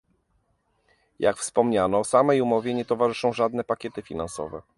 Jak wspomniano, samej umowie nie towarzyszą żadne pakiety finansowe